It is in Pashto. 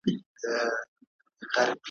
قوالې چي د جنت یې ورکولې `